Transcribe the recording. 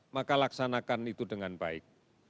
maka laksanakan itu dengan baik